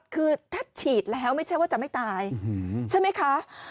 คือถ้าฉีดแล้วไม่ใช่ว่าจะไม่ตายใช่ไหมคะ